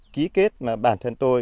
ký kết mà bản thân tôi